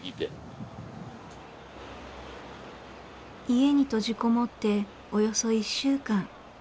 家に閉じこもっておよそ１週間。